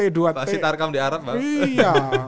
pasti tarkam di arab bang